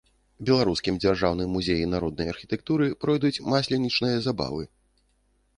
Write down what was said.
Беларускім дзяржаўным музеі народнай архітэктуры пройдуць масленічныя забавы.